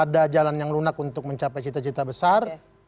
ada jalan yang lunak untuk mencapai cita cita besar